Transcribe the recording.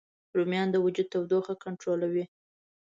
رومیان د وجود تودوخه کنټرولوي